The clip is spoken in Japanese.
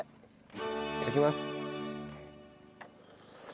いただきます。